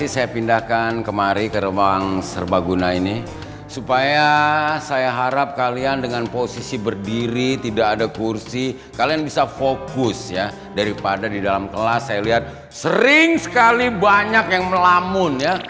sampai jumpa di video selanjutnya